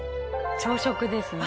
朝食ですね。